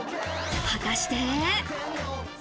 果たして。